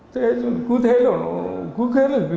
thế cứ thế là nó cứ thế là đi